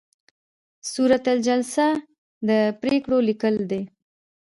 صورت جلسه د پریکړو لیکل دي